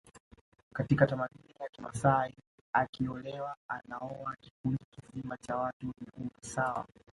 Katika tamaduni ya Kimasai akiolewa anaoa kikundi kizima cha watu wenye umri sawa